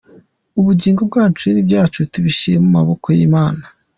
Ubugingo bwacu n’ibyacu tubishyire mu maboko y’Imana.